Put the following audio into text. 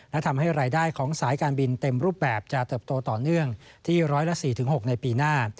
และทำให้รายได้ของสายการบินเต็มรูปแบบจะเติบโตต่อเนื่องที่๑๐๔๖ในปีหน้า